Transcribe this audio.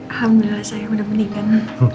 alhamdulillah saya udah mendingan